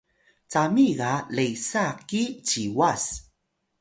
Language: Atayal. cami ga Lesa ki Ciwas